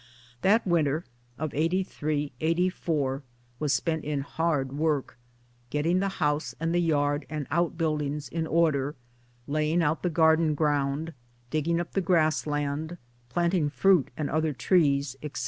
That winter, of '8 3 '8 4, was spent in hard work, getting the house and the yard and out build ings in order, laying out the garden ground, digging up the grass land, planting fruit and other trees, etc.